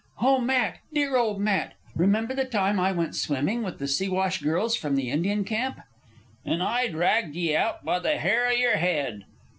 "O Matt, dear old Matt! Remember the time I went swimming with the Siwash girls from the Indian camp?" "An' I dragged ye out by the hair o' yer head?"